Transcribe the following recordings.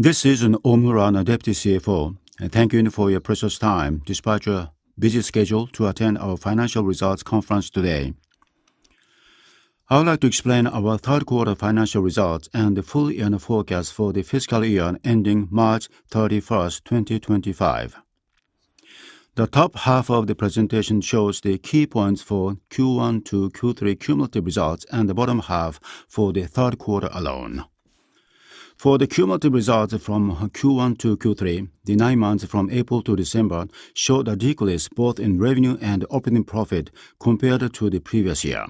This is Yasuhiro Ohmura, Deputy CFO. Thank you for your precious time, despite your busy schedule, to attend our financial results conference today. I would like to explain our third-quarter financial results and the full-year forecast for the fiscal year ending March 31st, 2025. The top half of the presentation shows the key points for Q1 to Q3 cumulative results, and the bottom half for the third quarter alone. For the cumulative results from Q1 to Q3, the nine months from April to December showed a decrease both in revenue and operating profit compared to the previous year.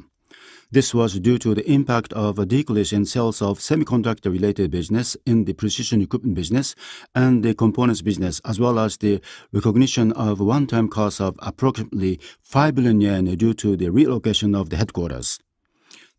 This was due to the impact of a decrease in sales of semiconductor-related business in the Precision Equipment Business and the Components Business, as well as the recognition of a one-time cost of approximately 5 billion yen due to the relocation of the headquarters.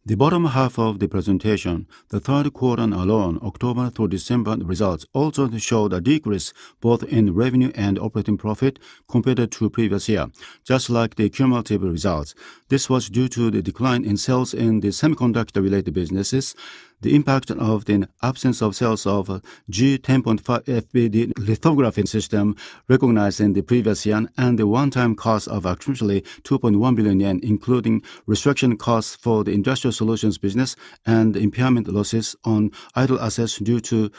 The bottom half of the presentation, the third quarter alone, October through December results also showed a decrease both in revenue and operating profit compared to the previous year, just like the cumulative results. This was due to the decline in sales in the semiconductor-related businesses, the impact of the absence of sales of Gen 10.5 FPD lithography system recognized in the previous year, and the one-time cost of approximately 2.1 billion yen, including restructuring costs for the Industrial Solutions Business and impairment losses on idle assets due to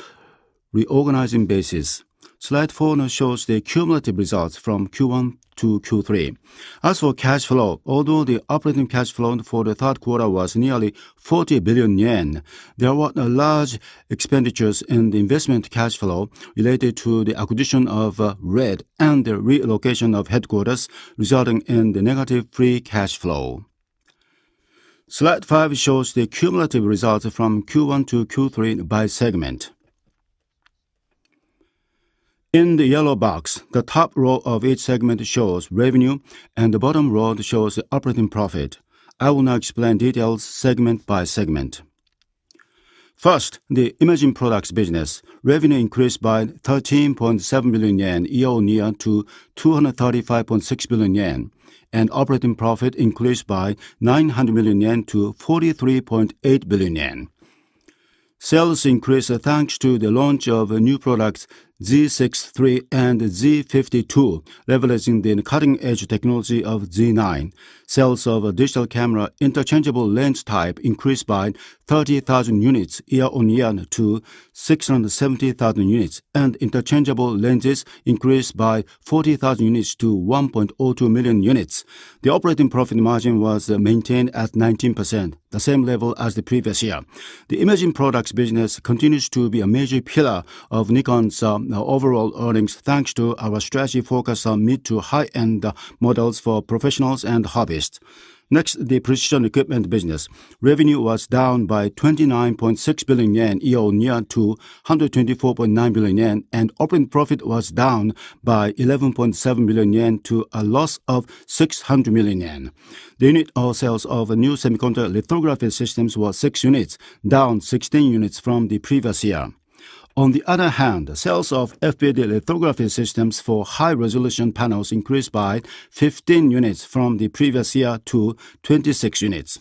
reorganization of business. Slide four shows the cumulative results from Q1 to Q3. As for cash flow, although the operating cash flow for the third quarter was nearly 40 billion yen, there were large expenditures in the investment cash flow related to the acquisition of RED and the relocation of headquarters, resulting in the negative free cash flow. Slide five shows the cumulative results from Q1 to Q3 by segment. In the yellow box, the top row of each segment shows revenue, and the bottom row shows the operating profit. I will now explain details segment by segment. First, the Imaging Products Business. Revenue increased by 13.7 billion yen, year-on-year to 235.6 billion yen, and operating profit increased by 900 million yen to 43.8 billion yen. Sales increased thanks to the launch of new products Z6III and Z50II, leveraging the cutting-edge technology of Z9. Sales of digital camera interchangeable lens type increased by 30,000 units year-on-year to 670,000 units, and interchangeable lenses increased by 40,000 units to 1.02 million units. The operating profit margin was maintained at 19%, the same level as the previous year. The Imaging Products Business continues to be a major pillar of Nikon's overall earnings thanks to our strategy focused on mid-to-high-end models for professionals and hobbyists. Next, the Precision Equipment Business. Revenue was down by 29.6 billion yen, year-on-year to 124.9 billion yen, and operating profit was down by 11.7 billion yen to a loss of 600 million yen. The unit sales of new semiconductor lithography systems were six units, down 16 units from the previous year. On the other hand, sales of FPD lithography systems for high-resolution panels increased by 15 units from the previous year to 26 units.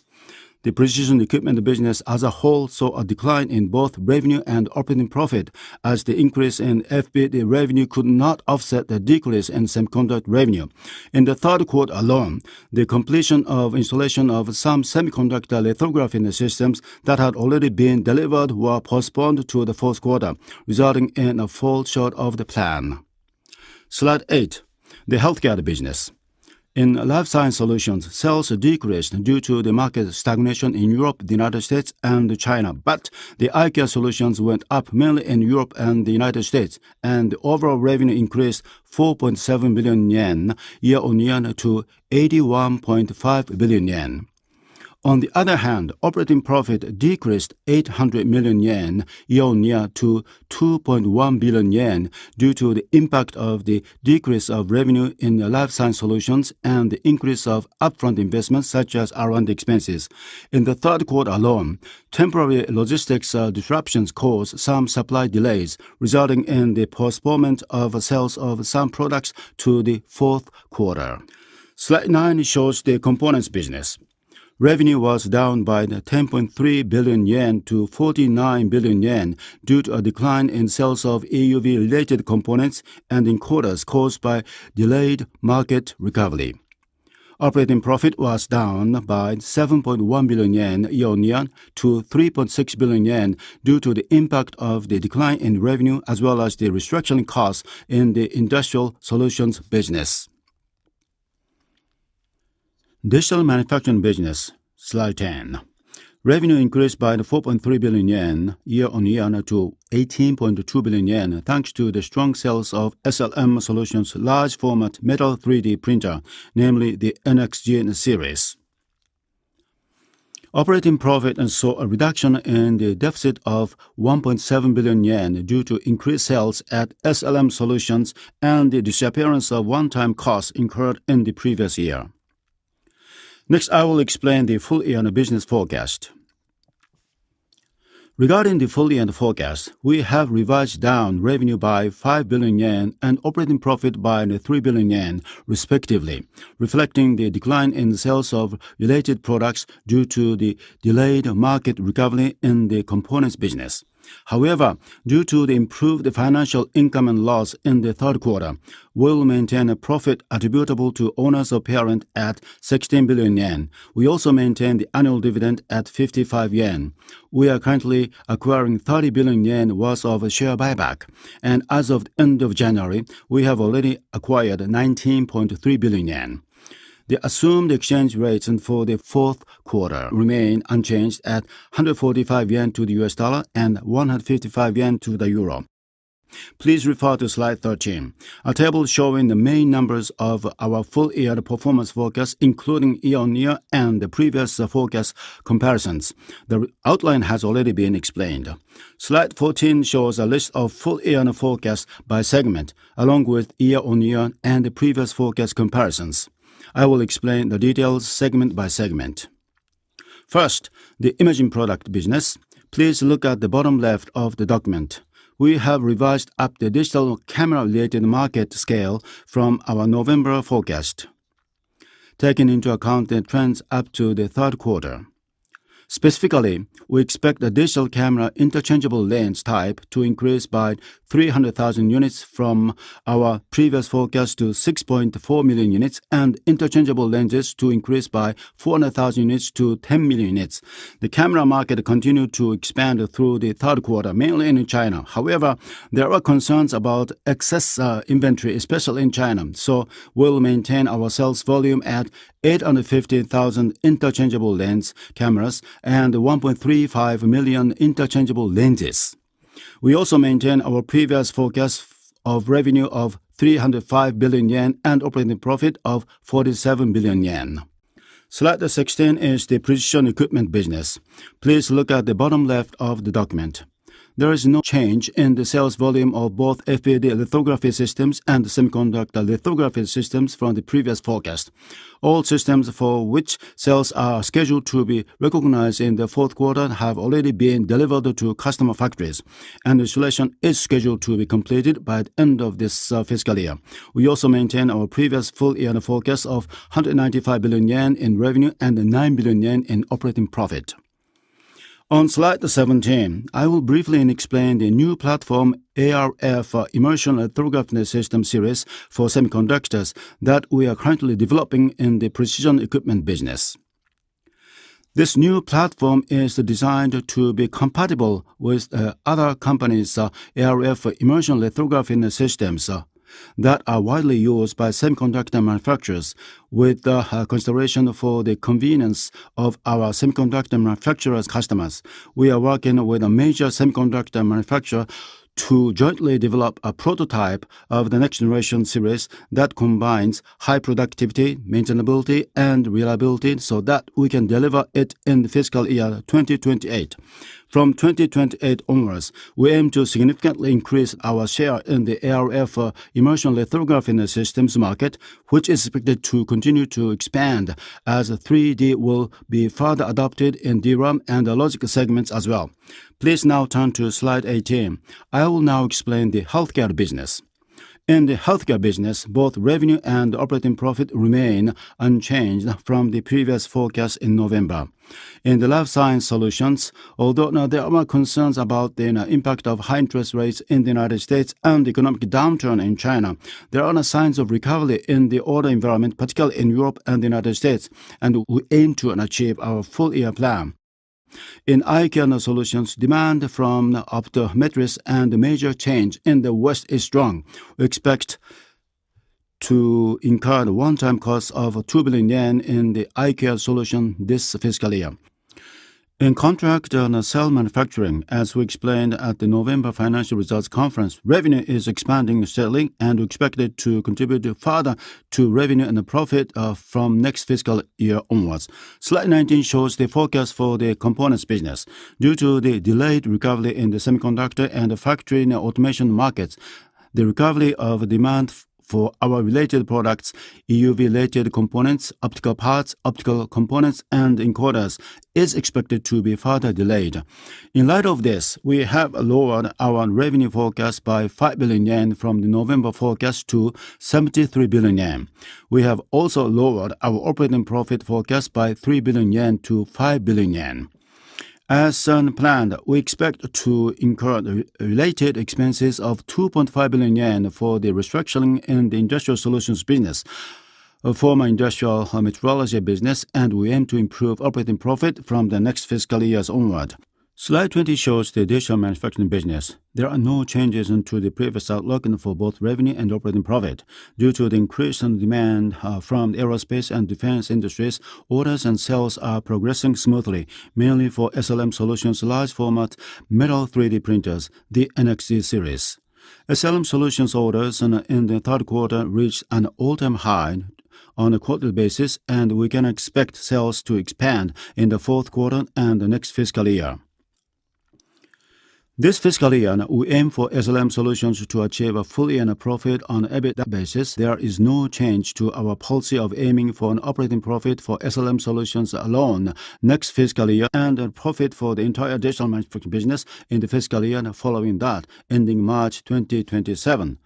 The Precision Equipment Business as a whole saw a decline in both revenue and operating profit, as the increase in FPD revenue could not offset the decrease in semiconductor revenue. In the third quarter alone, the completion of installation of some semiconductor lithography systems that had already been delivered was postponed to the fourth quarter, resulting in a fall short of the plan. Slide eight: The Healthcare Business. In Life Science Solutions, sales decreased due to the market stagnation in Europe, the United States, and China, but the Eye Care Solutions went up mainly in Europe and the United States, and the overall revenue increased 4.7 billion yen year-on-year to 81.5 billion yen. On the other hand, operating profit decreased 800 million yen year-on-year to 2.1 billion yen due to the impact of the decrease of revenue in Life Science Solutions and the increase of upfront investment such as R&D expenses. In the third quarter alone, temporary logistics disruptions caused some supply delays, resulting in the postponement of sales of some products to the fourth quarter. Slide nine shows the Components Business. Revenue was down by 10.3 billion yen to 49 billion yen due to a decline in sales of EUV-related components and encoders caused by delayed market recovery. Operating profit was down by 7.1 billion yen, year-on-year to 3.6 billion yen due to the impact of the decline in revenue, as well as the restructuring costs in the Industrial Solutions Business. Digital Manufacturing Business. Slide 10: Revenue increased by 4.3 billion yen, year-on-year to 18.2 billion yen, thanks to the strong sales of SLM Solutions' large-format metal 3D printer, namely the NXG series. Operating profit saw a reduction in the deficit of 1.7 billion yen due to increased sales at SLM Solutions and the disappearance of one-time costs incurred in the previous year. Next, I will explain the full-year business forecast. Regarding the full-year forecast, we have revised down revenue by 5 billion yen and operating profit by 3 billion yen, respectively, reflecting the decline in sales of related products due to the delayed market recovery in the Components Business. However, due to the improved financial income and loss in the third quarter, we will maintain a profit attributable to owners of parent at 16 billion yen. We also maintain the annual dividend at 55 yen. We are currently acquiring 30 billion yen worth of share buyback, and as of the end of January, we have already acquired 19.3 billion yen. The assumed exchange rates for the fourth quarter remain unchanged at 145 yen to the US dollar and 155 yen to the euro. Please refer to Slide 13, a table showing the main numbers of our full-year performance forecast, including year-on-year and the previous forecast comparisons. The outline has already been explained. Slide 14 shows a list of full-year forecasts by segment, along with year-on-year and previous forecast comparisons. I will explain the details segment by segment. First, the Imaging Product Business. Please look at the bottom left of the document. We have revised up the digital camera-related market scale from our November forecast, taking into account the trends up to the third quarter. Specifically, we expect the digital camera interchangeable lens type to increase by 300,000 units from our previous forecast to 6.4 million units, and interchangeable lenses to increase by 400,000 units to 10 million units. The camera market continued to expand through the third quarter, mainly in China. However, there were concerns about excess inventory, especially in China, so we will maintain our sales volume at 850,000 interchangeable lens cameras and 1.35 million interchangeable lenses. We also maintain our previous forecast of revenue of 305 billion yen and operating profit of 47 billion yen. Slide 16 is the Precision Equipment Business. Please look at the bottom left of the document. There is no change in the sales volume of both FPD lithography systems and semiconductor lithography systems from the previous forecast. All systems for which sales are scheduled to be recognized in the fourth quarter have already been delivered to customer factories, and installation is scheduled to be completed by the end of this fiscal year. We also maintain our previous full-year forecast of 195 billion yen in revenue and 9 billion yen in operating profit. On Slide 17, I will briefly explain the new platform ArF Immersion Lithography System series for semiconductors that we are currently developing in the Precision Equipment Business. This new platform is designed to be compatible with other companies' ArF Immersion Lithography systems that are widely used by semiconductor manufacturers, with consideration for the convenience of our semiconductor manufacturers' customers. We are working with a major semiconductor manufacturer to jointly develop a prototype of the next-generation series that combines high productivity, maintainability, and reliability so that we can deliver it in the fiscal year 2028. From 2028 onwards, we aim to significantly increase our share in the ArF Immersion lithography systems market, which is expected to continue to expand as 3D will be further adopted in DRAM and logic segments as well. Please now turn to Slide 18. I will now explain the Healthcare Business. In the Healthcare Business, both revenue and operating profit remain unchanged from the previous forecast in November. In the Life Science Solutions, although there are concerns about the impact of high interest rates in the United States and economic downturn in China, there are signs of recovery in the order environment, particularly in Europe and the United States, and we aim to achieve our full-year plan. In Eye Care Solutions, demand from optometrists and major chains in the West is strong. We expect to incur the one-time cost of 2 billion yen in the Eye Care Solution this fiscal year. In Contract Manufacturing, as we explained at the November financial results conference, revenue is expanding steadily, and we expect it to contribute further to revenue and profit from next fiscal year onwards. Slide 19 shows the forecast for the Components Business. Due to the delayed recovery in the semiconductor and factory automation markets, the recovery of demand for our related products, EUV-related components, optical parts, optical components, and encoders is expected to be further delayed. In light of this, we have lowered our revenue forecast by 5 billion yen from the November forecast to 73 billion yen. We have also lowered our operating profit forecast by 3 billion yen to 5 billion yen. As planned, we expect to incur related expenses of 2.5 billion yen for the restructuring in the Industrial Solutions Business, a former Industrial Metrology Business, and we aim to improve operating profit from the next fiscal years onward. Slide 20 shows the Digital Manufacturing Business. There are no changes to the previous outlook for both revenue and operating profit. Due to the increase in demand from the aerospace and defense industries, orders and sales are progressing smoothly, mainly for SLM Solutions' large-format metal 3D printers, the NXG series. SLM Solutions' orders in the third quarter reached an all-time high on a quarterly basis, and we can expect sales to expand in the fourth quarter and the next fiscal year. This fiscal year, we aim for SLM Solutions to achieve a full-year profit on an EBITDA basis. There is no change to our policy of aiming for an operating profit for SLM Solutions alone next fiscal year and profit for the entire Digital Manufacturing Business in the fiscal year following that, ending March 2027.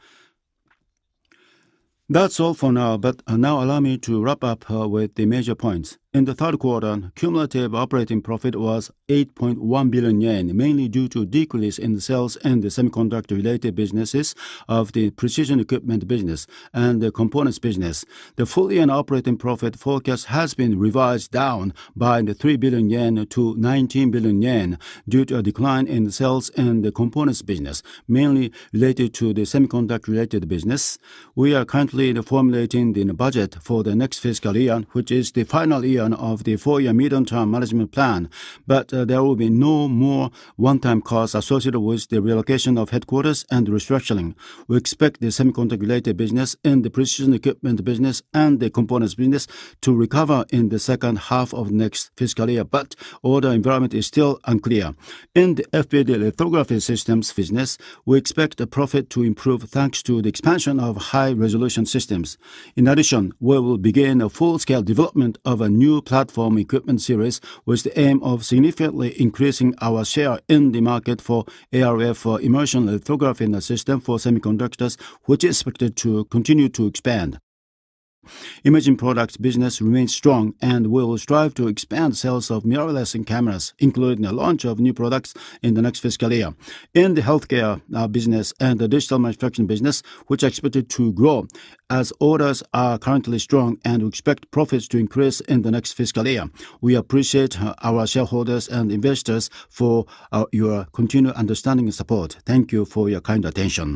That's all for now, but now allow me to wrap up with the major points. In the third quarter, cumulative operating profit was 8.1 billion yen, mainly due to a decrease in sales in the semiconductor-related businesses of the Precision Equipment Business and the Components Business. The full-year operating profit forecast has been revised down by 3 billion yen to 19 billion yen due to a decline in sales in the Components Business, mainly related to the semiconductor-related business. We are currently formulating the budget for the next fiscal year, which is the final year of the four-year mid-term management plan, but there will be no more one-time costs associated with the relocation of headquarters and restructuring. We expect the semiconductor-related business in the Precision Equipment Business and the Components Business to recover in the second half of the next fiscal year, but the order environment is still unclear. In the FPD lithography systems business, we expect the profit to improve thanks to the expansion of high-resolution systems. In addition, we will begin a full-scale development of a new platform equipment series with the aim of significantly increasing our share in the market for ArF Immersion lithography systems for semiconductors, which is expected to continue to expand. Imaging products business remains strong, and we will strive to expand sales of mirrorless cameras, including the launch of new products in the next fiscal year. In the Healthcare Business and the Digital Manufacturing Business, which are expected to grow as orders are currently strong, and we expect profits to increase in the next fiscal year. We appreciate our shareholders and investors for your continued understanding and support. Thank you for your kind attention.